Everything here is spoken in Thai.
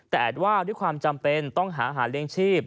แต่ว่าด้วยความจำเป็นต้องหาหาเลี้ยงชีพ